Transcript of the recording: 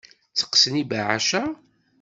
Tteqqsen yibeɛɛac-a?